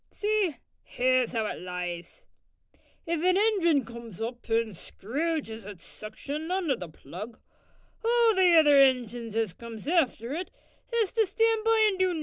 See, here's 'ow it lies. If an ingin comes up an screwges its suction on to the plug, all the other ingins as comes after it has to stan' by an' do nuffin.